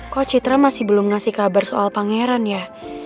kok citra masih belum ngasih kabar soal pangeran ya